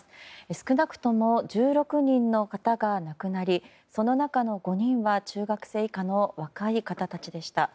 少なくとも１６人の方が亡くなりその中の５人は中学生以下の若い方たちでした。